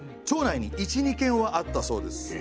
町内に１２軒はあったそうです。